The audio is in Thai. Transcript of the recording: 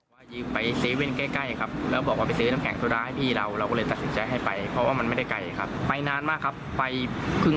ไม่ลงตัวครับเขาก็ไม่ได้ติดต่ออะไรมาเลย